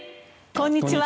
こんにちは。